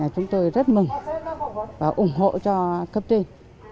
chúng tôi rất mừng và ủng hộ cho cấp trên